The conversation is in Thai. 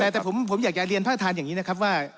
แต่ผมอยากจะเรียนพระอาจารย์อย่างนี้นะครับว่า